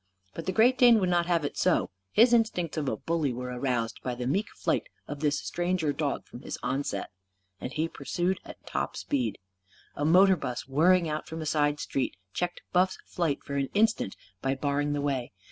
But the Great Dane would not have it so. His instincts of a bully were aroused by the meek flight of this stranger dog from his onset. And he pursued at top speed. A motor bus, whirring out from a side street, checked Buff's flight for an instant, by barring the way.